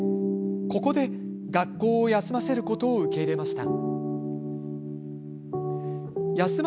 ここで学校を休ませることを受け入れました。